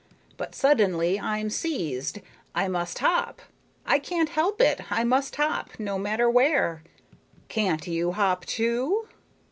But suddenly I'm seized. I must hop. I can't help it, I must hop, no matter where. Can't you hop, too?"